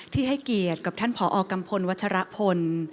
ให้เกียรติกับท่านผอกัมพลวัชรพล